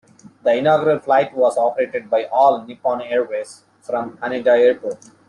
The inaugural flight was operated by All Nippon Airways from Haneda Airport.